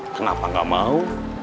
kenapa gak mau